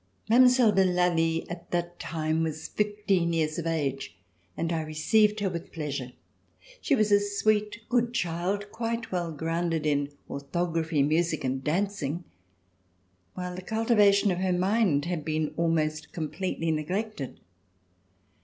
Mile, de Lally at that time was fifteen years of age, and I received her with pleasure. She v/as a sweet, C318] LIFE AT LE BOUILH good child, quite well grounded in orthography, music and dancing, while the cultivation of her mind had been almost completely neglected.